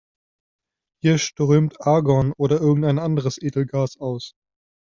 Hier strömt Argon oder irgendein anderes Edelgas aus.